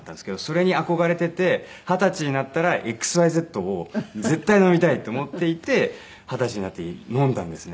それに憧れていて二十歳になったらＸＹＺを絶対飲みたいと思っていて二十歳になって飲んだんですね。